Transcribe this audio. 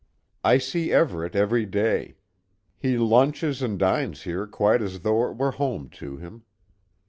I see Everet every day. He lunches and dines here quite as though it were home to him.